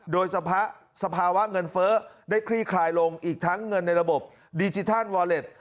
โดยสภาวะเงินเฟ้อได้คลี่คลายลงอีกทั้งเงินในระบบดิจิทัลวอเล็ต